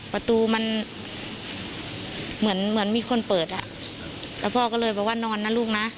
ประตูมันเหมือนเหมือนมีคนเปิดอ่ะแล้วพ่อก็เลยบอกว่านอนนะลูกนะ